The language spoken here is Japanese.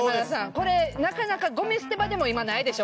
これなかなかゴミ捨て場でも今ないでしょ